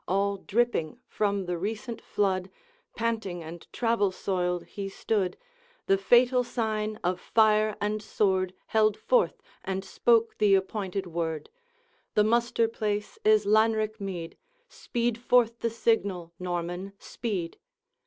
All dripping from the recent flood, Panting and travel soiled he stood, The fatal sign of fire and sword Held forth, and spoke the appointed word: 'The muster place is Lanrick mead; Speed forth the signal! Norman, speed!'